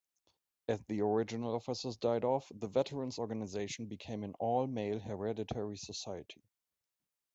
As the original officers died off, the veterans organization became an all-male hereditary society.